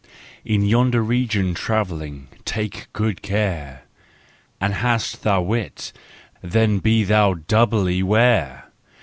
In yonder region travelling, take good care! An hast thou wit, then be thou doubly ware!